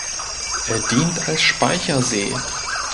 Er dient als Speichersee.